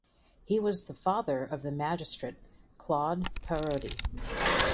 He was the father of the magistrate Claude Parodi.